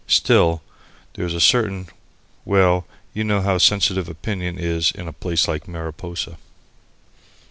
Still, there's a certain well, you know how sensitive opinion is in a place like Mariposa.